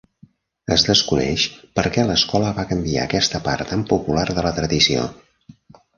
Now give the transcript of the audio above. Es desconeix per què l'escola va canviar aquesta part tan popular de la tradició.